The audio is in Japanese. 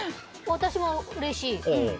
私もうれしい。